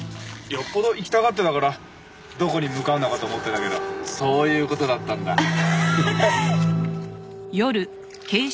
よっぽど行きたがってたからどこに向かうのかと思ってたけどそういう事だったんだ。